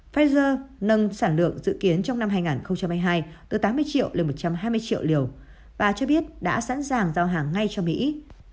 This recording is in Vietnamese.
pfizer nâng sản lượng dự kiến trong năm hai nghìn hai mươi hai từ tám mươi triệu lên một trăm hai mươi triệu liều và cho biết đã sẵn sàng giao hàng ngay cho mỹ